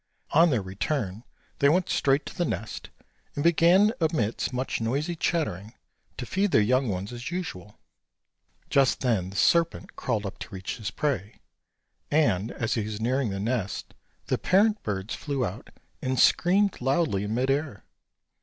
On their return, they went straight to the nest, and began amidst much noisy chattering to feed their young ones as usual. Just then the serpent crawled up to reach his prey; and as he was nearing the nest the parent birds flew out and screamed loudly in mid air.